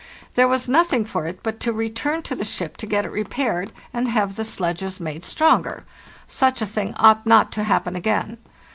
There was nothing for it but to return to the ship to get it repaired and have the sledges made stronger. Such a thing ought not to happen again.